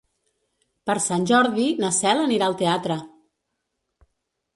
Per Sant Jordi na Cel anirà al teatre.